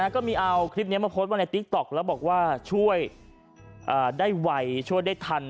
ก็มีเอาคลิปนี้มาโพสต์ไว้ในติ๊กต๊อกแล้วบอกว่าช่วยได้ไวช่วยได้ทัน